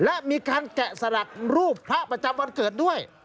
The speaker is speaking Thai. และมีการแกะสลักรูปพระประจำวันเกิดด้วย